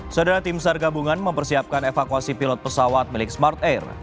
saudara tim sar gabungan mempersiapkan evakuasi pilot pesawat milik smart air